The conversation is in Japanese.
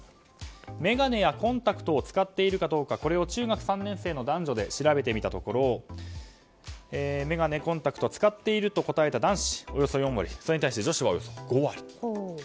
眼鏡やコンタクトを使っているかどうか中学３年生の男女で調べてみたところ眼鏡、コンタクトを使っていると答えた男子は４割それに対して女子はおよそ５割と。